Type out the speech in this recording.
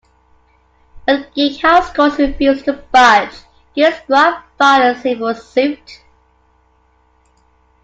When Geek Housecalls refused to budge, Geek Squad filed civil suit.